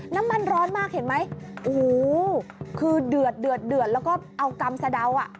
น้ำมันร้อนมากเห็นไหมโอ้โหคือเดือดเดือดเดือดแล้วก็เอากำสะเดาอ่ะ